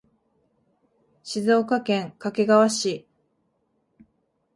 静岡県掛川市